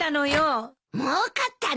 もうかったね。